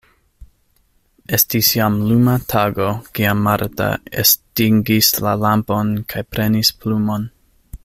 Estis jam luma tago, kiam Marta estingis la lampon kaj prenis plumon.